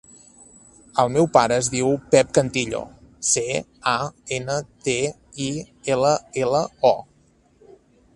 El meu pare es diu Pep Cantillo: ce, a, ena, te, i, ela, ela, o.